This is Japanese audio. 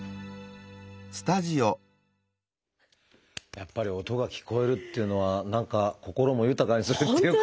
やっぱり音が聞こえるというのは何か心も豊かにするっていうか。